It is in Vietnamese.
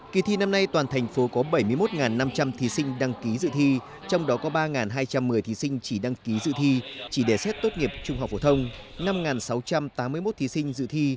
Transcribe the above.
kỳ thi năm nay toàn thành phố có bảy mươi một năm trăm linh thí sinh đăng ký dự thi trong đó có ba hai trăm một mươi thí sinh chỉ đăng ký dự thi